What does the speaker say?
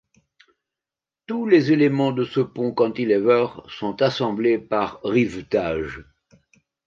Tous les éléments de ce pont cantilever sont assemblés par rivetage.